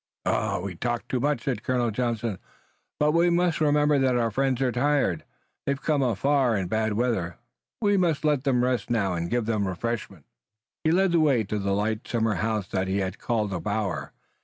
"We talk much," said Colonel Johnson, "but we must remember that our friends are tired. They've come afar in bad weather. We must let them rest now and give them refreshment." He led the way to the light summer house that he had called a bower.